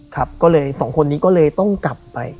ครับก็เลยสองคนนี้ก็เลยต้องกลับไป